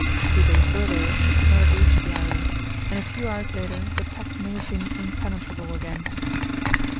Two days earlier she could not have reached the island, and a few hours later the pack may have been impenetrable again.